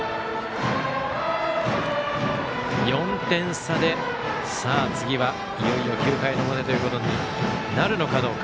４点差で次は、いよいよ９回の表ということになるのかどうか。